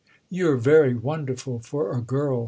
"You're very wonderful—for a girl!"